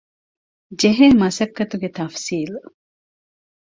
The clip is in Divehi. ންޖެހޭ މަސައްކަތުގެ ތަފްޞީލް